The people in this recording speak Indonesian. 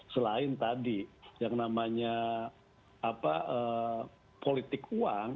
selain tadi yang namanya politik uang